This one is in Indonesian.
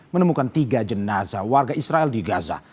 menemukan tiga jenazah warga israel di gaza